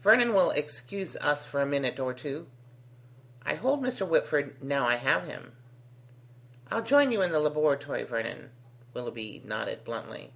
"Vernon will excuse us for a minute or two." "I hold by Mr. Whitford now I have him." "I'll join you in the laboratory, Vernon," Willoughby nodded bluntly.